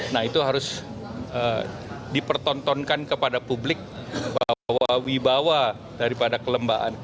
nah itu harus dipertontonkan kepada publik bahwa wibawa daripada kelembaan